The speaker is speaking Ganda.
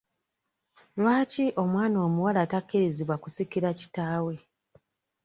Lwaki omwana omuwala takkirizibwa kusikira kitaawe?